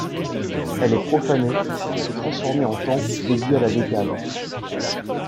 Elle est profanée et transformée en temple dédié à la Décade.